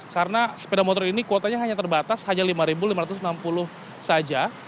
karena sepeda motor ini kuotanya hanya terbatas hanya rp lima lima ratus enam puluh saja